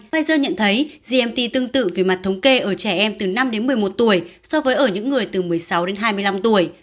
pfizer nhận thấy gmt tương tự về mặt thống kê ở trẻ em từ năm đến một mươi một tuổi so với ở những người từ một mươi sáu đến hai mươi năm tuổi